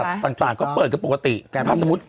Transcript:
แต่ก็ไม่ปิดบริษัทต่างก็เปิดก็ปกติถ้าสมมุติ